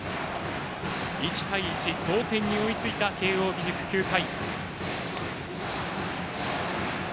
１対１、同点に追いついた慶応義塾、９回。